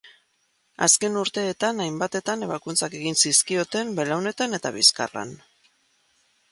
Azken urteetan, hainbatetan ebakuntzak egin zizkioten belaunetan eta bizkarran.